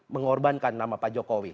mengorbankan nama pak jokowi